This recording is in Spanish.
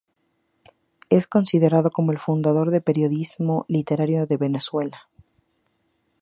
Es considerado como el fundador de periodismo literario en Venezuela.